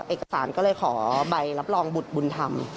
เอกสารก็เลยขอใบรับรองบุตรบุญธรรม